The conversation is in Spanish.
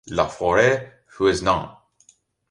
La Forêt-Fouesnant